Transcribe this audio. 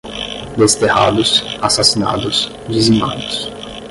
Desterrados, assassinados, dizimados